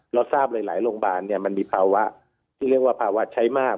เราทราบหลายโรงพยาบาลมันมีภาวะที่เรียกว่าภาวะใช้มาก